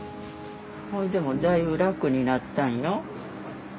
それでもだいぶ楽になったんよ。